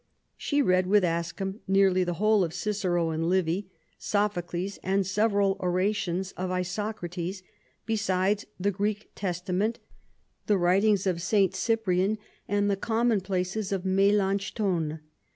She read with Ascham nearly the whole of Cicero and Livy, Sophocles, and several orations of Isocrates, besides the Greek Testament, the writings of St. Cyprian and the Commonplaces of Melanchthon.